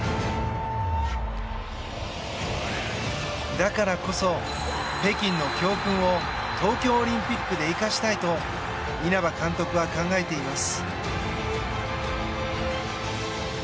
だからこそ、北京の教訓を東京オリンピックで生かしたいと稲葉監督は考えています。